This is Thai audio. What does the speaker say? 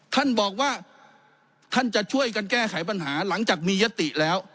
ท่านบอกว่าท่านจะช่วยกันแก้ไขปัญหาหลังจากมียติแล้ว